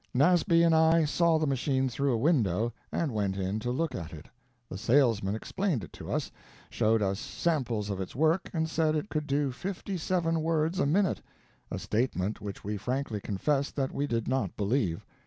Nasby and I saw the machine through a window, and went in to look at it. The salesman explained it to us, showed us samples of its work, and said it could do fifty seven words a minute a statement which we frankly confessed that we did not believe.